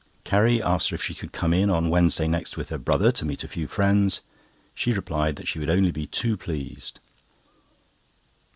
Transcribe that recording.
Carrie asked her if she could come in on Wednesday next with her brother to meet a few friends. She replied that she would only be too pleased.